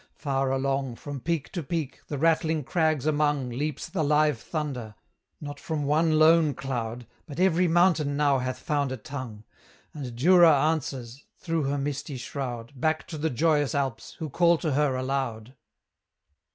Far along, From peak to peak, the rattling crags among, Leaps the live thunder! Not from one lone cloud, But every mountain now hath found a tongue; And Jura answers, through her misty shroud, Back to the joyous Alps, who call to her aloud!